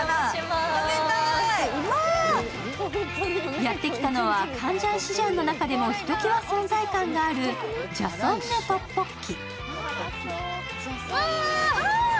やってきたのはクァンジャンシジャンの中でもひときわ存在感のあるジャソンネトッポッキ。